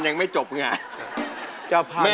อย่าไปตามกลับบ้าน